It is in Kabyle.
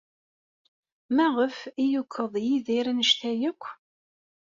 Maɣef ay yukeḍ Yidir anect-a akk?